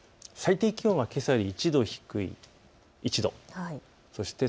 最低気温はけさより１度低い、１度です。